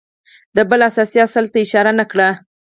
ده بل اساسي اصل ته اشاره نه کړه